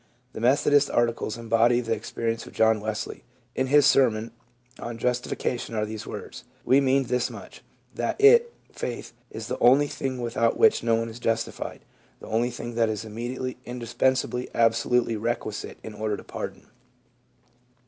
The Methodist Articles embody the ex perience of John Wesley. In his sermon on justification are these words: " We mean this much, that it [faith] is the only thing without which no one is justified ; the only thing that is immediately, indispensably, absolutely requisite in order to pardon.